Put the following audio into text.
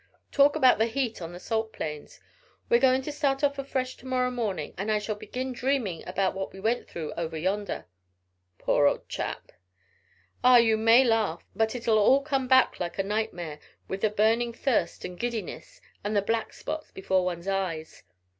"Talk about the heat on the salt plains. We're going to start off afresh to morrow morning, and I shall begin dreaming about what we went through over yonder." "Poor old chap!" "Ah, you may laugh, but it'll all come back like a nightmare, with the burning thirst and giddiness, and the black spots before one's eyes."